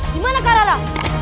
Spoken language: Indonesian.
dimana kak lala